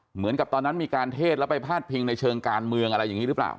เหมือนกับตอนนั้นมีการเทศแล้วไปพาดพิงในเชิงการเมืองอะไรอย่างนี้หรือเปล่า